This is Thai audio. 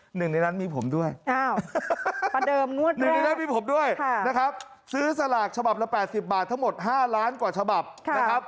หนึ่งในนั้นมีผมด้วยนะครับซื้อสลากฉบับละ๘๐บาททั้งหมด๕ล้านกว่าฉบับนะครับ